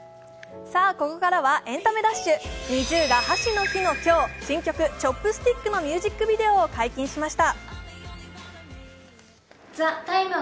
ここからは「エンタメダッシュ」、ＮｉｚｉＵが箸の日の今日、新曲「Ｃｈｏｐｓｔｉｃｋ」のミュージックビデオを解禁しました。